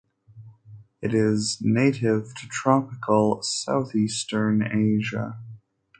It is native to tropical southeastern Asia.